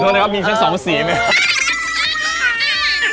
ขอโทษนะครับมีแค่สองสีไหม